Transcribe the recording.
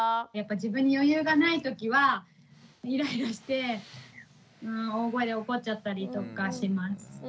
自分に余裕がない時はイライラして大声で怒っちゃったりとかします。